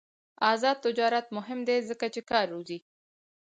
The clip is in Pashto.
آزاد تجارت مهم دی ځکه چې کار روزي.